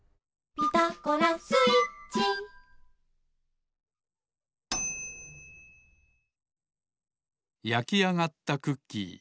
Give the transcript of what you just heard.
「ピタゴラスイッチ」やきあがったクッキー